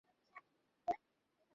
এখন আমি কী করব?